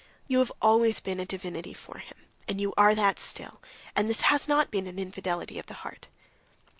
You have always been a divinity for him, and you are that still, and this has not been an infidelity of the heart...."